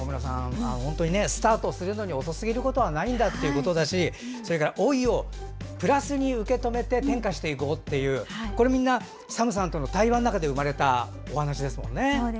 スタートするのに遅すぎることはないんだということだしそれから老いをプラスに受け止めて変化していこうというこれＳＡＭさんとの対話の中で生まれたお話ですよね。